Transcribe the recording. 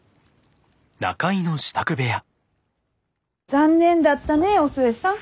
残念だったねお寿恵さん。